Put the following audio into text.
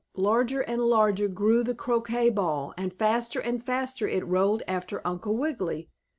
Larger and larger grew the croquet ball, and faster and faster it rolled after Uncle Wiggily.